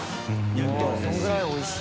榲・それぐらいおいしい。